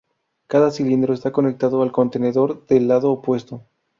Cada cilindro está conectado al contenedor del lado opuesto.